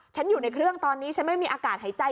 อยู่ในเครื่องตอนนี้ฉันไม่มีอากาศหายใจ